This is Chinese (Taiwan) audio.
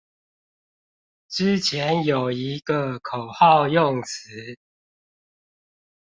之前有一個口號用詞